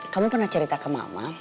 kamu pernah cerita ke mama